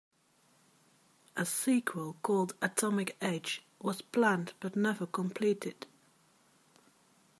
A sequel called Atomik Age was planned but never completed.